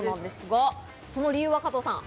その理由は加藤さん？